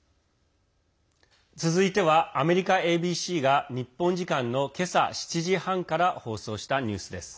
続いてはアメリカＡＢＣが日本時間の今朝７時半から放送したニュースです。